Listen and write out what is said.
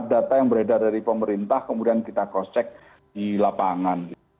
data yang beredar dari pemerintah kemudian kita cross check di lapangan